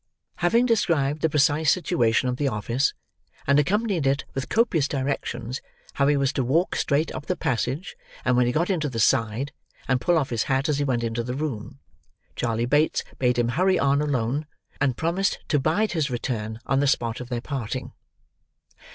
Having described the precise situation of the office, and accompanied it with copious directions how he was to walk straight up the passage, and when he got into the side, and pull off his hat as he went into the room, Charley Bates bade him hurry on alone, and promised to bide his return on the spot of their parting.